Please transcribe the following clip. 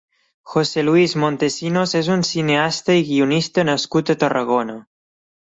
José Luis Montesinos és un cineasta i guionista nascut a Tarragona.